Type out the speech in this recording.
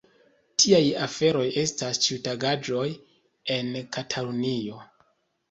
Tiaj aferoj estas ĉiutagaĵoj en Katalunio.